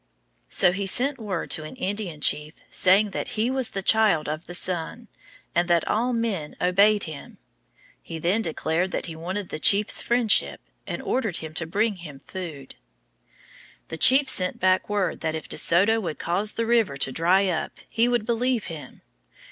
So he sent word to an Indian chief saying that he was the child of the sun, and that all men obeyed him. He then declared that he wanted the chief's friendship, and ordered him to bring him food. The chief sent back word that if De Soto would cause the river to dry up he would believe him.